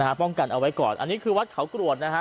ป้องกันเอาไว้ก่อนอันนี้คือวัดเขากรวดนะฮะ